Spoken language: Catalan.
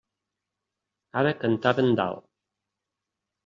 Ara cantaven dalt.